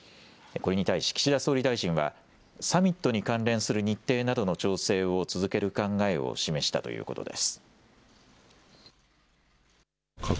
これに対し岸田総理大臣はサミットに関連する日程などの調整を続ける考えを示したということです。